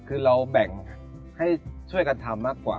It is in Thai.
คือเราแบ่งให้ช่วยกันทำมากกว่า